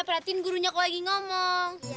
perhatiin gurunya kok lagi ngomong